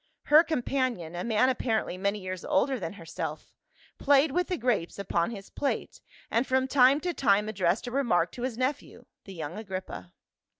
Her companion, a man apparently many years older than herself, played with the grapes upon his plate, and from time to time addressed a remark to his nephew, the young Agrippa.